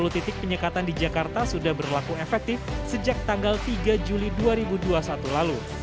sepuluh titik penyekatan di jakarta sudah berlaku efektif sejak tanggal tiga juli dua ribu dua puluh satu lalu